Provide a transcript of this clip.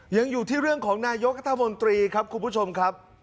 ยังอยู่ที่เรื่องของนายกรัฐมนตรีครับคุณผู้ชมครับ